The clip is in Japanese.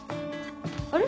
あれ？